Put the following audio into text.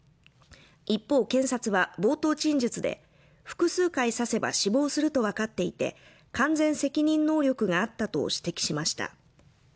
一方検察は冒頭陳述で複数回刺せば死亡するとわかっていて完全責任能力があったと指摘しました。